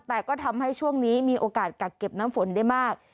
แต่ก็ทำให้ช่วงนี้มีโอกาสกักเก็บน้ำฝนได้มาก